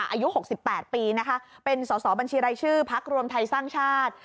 อายุ๖๘ปีเป็นส่อบัญชีไร่ชื่อพรรครวมไทยสร้างชาติ